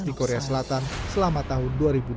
di korea selatan selama tahun dua ribu dua puluh